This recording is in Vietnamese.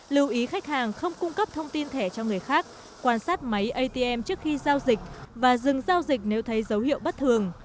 lưu ý khách hàng không cung cấp thông tin thẻ cho người khác quan sát máy atm trước khi giao dịch và dừng giao dịch nếu thấy dấu hiệu bất thường